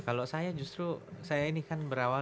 kalau saya justru saya ini kan berawal